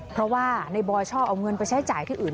เพราะว่าในบอยชอบเอาเงินไปใช้จ่ายที่อื่น